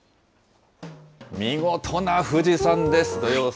見事な富士山です。